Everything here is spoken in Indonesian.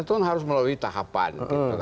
itu harus melalui tahapan